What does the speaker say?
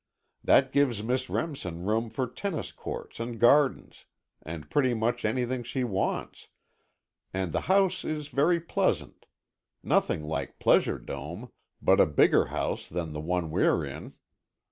That gives Miss Remsen room for tennis courts and gardens and pretty much anything she wants, and the house is very pleasant. Nothing like Pleasure Dome, but a bigger house than the one we're in."